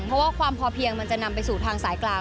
เพราะว่าความพอเพียงมันจะนำไปสู่ทางสายกลาง